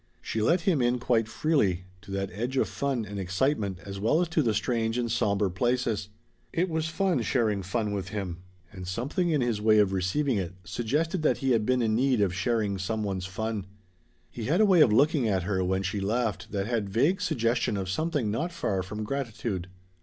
She let him in quite freely: to that edge of fun and excitement as well as to the strange and somber places. It was fun sharing fun with him; and something in his way of receiving it suggested that he had been in need of sharing some one's fun. He had a way of looking at her when she laughed that had vague suggestion of something not far from gratitude.